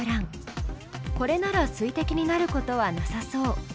これならすいてきになることはなさそう。